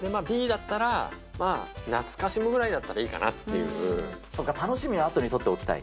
Ｂだったら、まあ、懐かしむぐらいだったらいいかなそっか、楽しみはあとに取っはい。